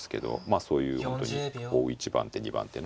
あそういう本当に１番手２番手のね